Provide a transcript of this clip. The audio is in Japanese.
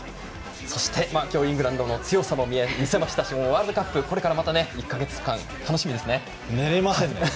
そして今日イングランド強さも見せましたしワールドカップこれから１か月、楽しみです。